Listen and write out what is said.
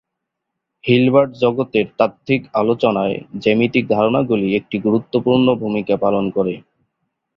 Hilbert জগতের তাত্ত্বিক আলোচনায় জ্যামিতিক ধারণাগুলি একটি গুরুত্বপূর্ণ ভূমিকা পালন করে।